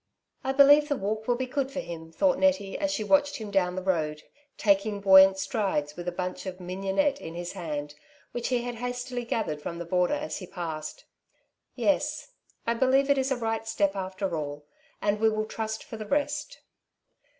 '' I believe the walk will be good for him/' thought Nettie, as she watched him down the road, taking buoyant strides, with a bunch of mignonette in his hand, which he had hastily gathered from the border as he passed. '' Yes, I believe it is a right step after all ; and we will trust for the rest."